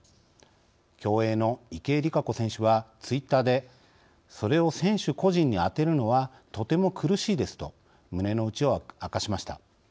競泳の池江璃花子選手はツイッターで「それを選手個人に当てるのはとても苦しいです」と胸のうちを明かしました。